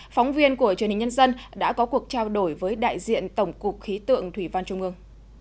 phóng viên của truyền hình nhân dân đã có cuộc trao đổi với đại diện tổng cục khí tượng thủy văn trung ương